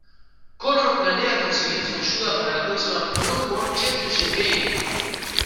Connor planea conseguir su ayuda para la próxima "Pro World Championship Gaming".